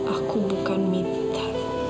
aku bukan minta